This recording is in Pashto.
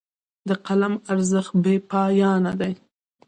د قلم ارزښت بې پایانه دی.